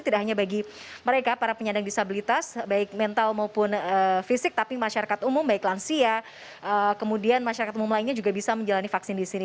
tidak hanya bagi mereka para penyandang disabilitas baik mental maupun fisik tapi masyarakat umum baik lansia kemudian masyarakat umum lainnya juga bisa menjalani vaksin di sini